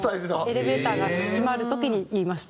エレベーターが閉まる時に言いました。